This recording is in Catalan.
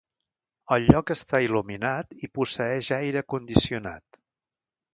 El lloc està il·luminat i posseeix aire condicionat.